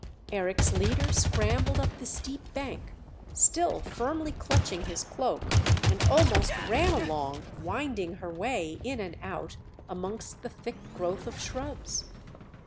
Eric's leader scrambled up the steep bank, still firmly clutching his cloak, and almost ran along, winding her way in and out, amongst the thick growth of shrubs.